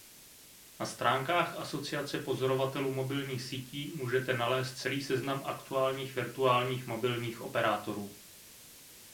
Na stránkách Asociace pozorovatelů mobilních sítí můžete nalézt celý seznam aktuálních virtuálních mobilních operátorů.